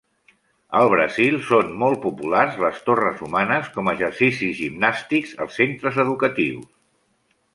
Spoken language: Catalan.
Al Brasil són molt populars les torres humanes com a exercicis gimnàstics als centres educatius.